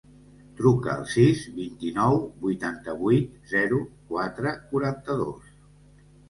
Truca al sis, vint-i-nou, vuitanta-vuit, zero, quatre, quaranta-dos.